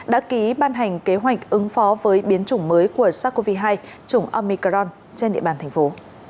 đã ký ban hành kế hoạch ứng phó với biến chủng mới của sars cov hai chủng omicron trên địa bàn thành phố